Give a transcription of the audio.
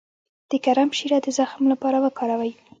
د کرم شیره د زخم لپاره وکاروئ